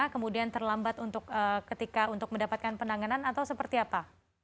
kemudian terlambat untuk ketika untuk mendapatkan penanganan atau seperti apa